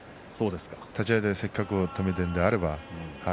立ち合いでせっかく止めたのであれば。